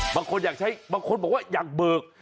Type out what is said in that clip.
บางคนบอกว่าอยากเบิก